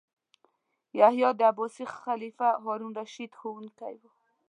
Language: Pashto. یحیی د عباسي خلیفه هارون الرشید ښوونکی و.